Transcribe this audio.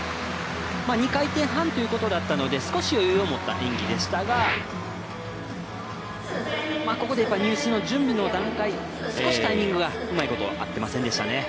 ２回転半ということだったので少し余裕を持った演技でしたがここで入水の準備の段階少しタイミングがうまいこと合ってませんでしたね。